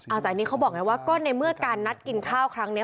เอาแต่อันนี้เขาบอกไงว่าก็ในเมื่อการนัดกินข้าวครั้งนี้